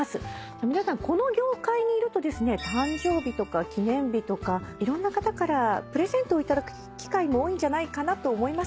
皆さんこの業界にいるとですね誕生日とか記念日とかいろんな方からプレゼントを頂く機会も多いんじゃないかなと思います。